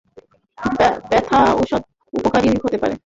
ব্যথা ঔষধ উপকারী হতে পারে।